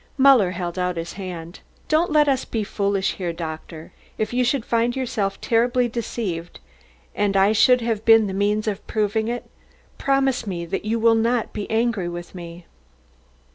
Muller held out his hand. "Don't let us be foolish, doctor. If you should find yourself terribly deceived, and I should have been the means of proving it, promise me that you will not be angry with me."